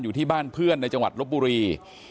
อยู่ที่บ้านเพื่อนในจังหวัดลบบุรี